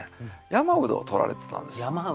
山独活を採られてたんですよ。